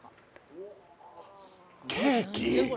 ケーキ！？